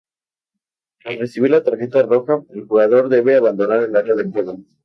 Tras recibir la tarjeta roja el jugador debe abandonar el área de juego.